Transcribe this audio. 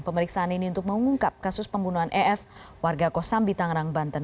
pemeriksaan ini untuk mengungkap kasus pembunuhan ef warga kosambi tangerang banten